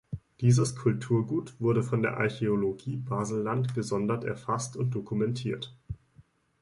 Dieses «Kulturgut» wurde von der Archäologie Baselland gesondert erfasst und dokumentiert.